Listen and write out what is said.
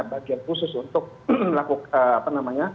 bagian khusus untuk melakukan